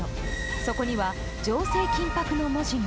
そこには情勢緊迫の文字が。